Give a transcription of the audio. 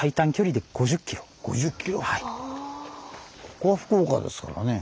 ここは福岡ですからね。